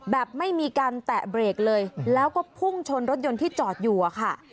ไม่มีการแตะเบรกเลยแล้วก็พุ่งชนรถยนต์ที่จอดอยู่อะค่ะ